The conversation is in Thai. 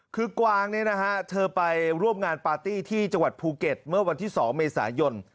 คือกวางเนี่ยนะฮะเธอไปร่วมงานปาร์ตี้ที่จังหวัดภูเก็ตเมื่อวันที่๒เมษายน